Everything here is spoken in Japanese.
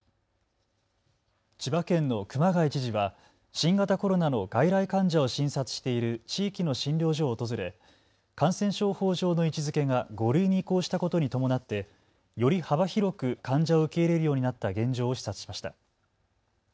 千葉県の熊谷知事は新型コロナの外来患者を診察している地域の診療所を訪れ感染症法上の位置づけが５類に移行したことに伴ってより幅広く患者を受け入れるようになった現状を視察しました。